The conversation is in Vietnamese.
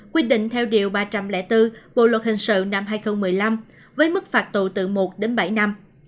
quy định theo điều ba trăm linh bốn bộ luật hình sự năm hai nghìn một mươi năm với mức phạt tù từ một đến bảy năm